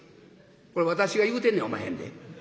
これ私が言うてんねやおまへんで。